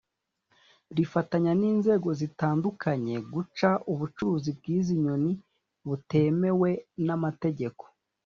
rifatanya n’inzego zitandukanye guca ubucuruzi bw’izi nyoni butemewe n’amategeko